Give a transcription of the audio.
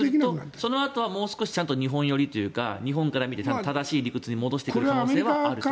そのあとは日本よりというか日本から見て正しい理屈に戻していく可能性はあると。